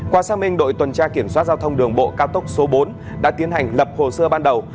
qua xác minh đội tuần tra kiểm soát giao thông đường bộ cao tốc số bốn đã tiến hành lập hồ sơ ban đầu